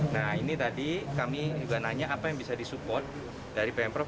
nah ini tadi kami juga nanya apa yang bisa disupport dari pemprov